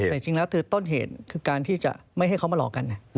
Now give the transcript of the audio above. แต่จริงแล้วคือต้นเหตุคือการที่จะไม่ให้เขามาหลอกกัน